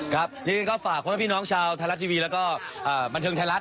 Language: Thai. ครับนี่ก็ฝากเพราะว่าพี่น้องชาวไทยรัฐทีวีแล้วก็บันเทิงไทยรัฐ